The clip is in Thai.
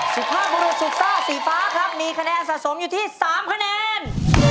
สุภาพบุรุษสุดซ่าสีฟ้าครับมีคะแนนสะสมอยู่ที่๓คะแนน